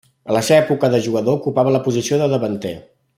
A la seva època de jugador ocupava la posició de davanter.